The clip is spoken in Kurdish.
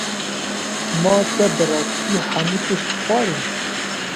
Ma te bi rastî hemû tişt xwarin.